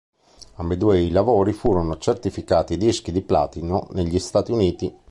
Ambedue i lavori furono certificati dischi di platino negli Stati Uniti.